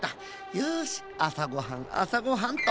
よしあさごはんあさごはんっと。